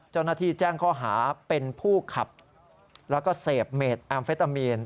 เจ้าหน้าที่แจ้งข้อหาเป็นผู้ขับแล้วก็เสพเมดแอมเฟตามีน